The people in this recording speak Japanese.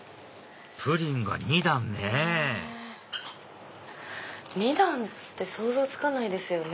プリンが２段ねぇ２段って想像つかないですよね。